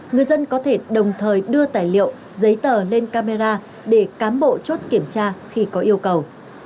người dân có thể đồng thời đưa tài liệu giấy tờ lên camera để cám bộ chốt kiểm tra khi có yêu cầu